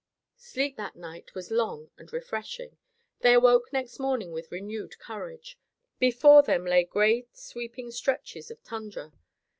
Sleep that night was long and refreshing. They awoke next morning with renewed courage. Before them lay great sweeping stretches of tundra.